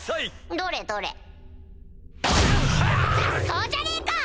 雑草じゃねえか！